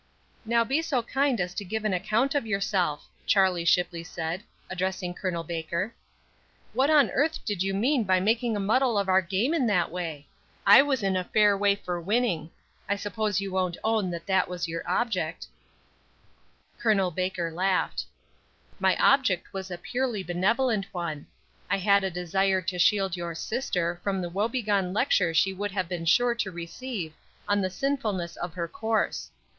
"Now be so kind as to give an account of yourself," Charlie Shipley said, addressing Col. Baker. "What on earth did you mean by making a muddle of our game in that way? I was in a fair way for winning. I suppose you won't own that that was your object." Col. Baker laughed. "My object was a purely benevolent one. I had a desire to shield your sister from the woebegone lecture she would have been sure to receive on the sinfulness of her course.